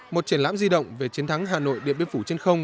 một triển lãm di động về chiến thắng hà nội điện biên phủ trên không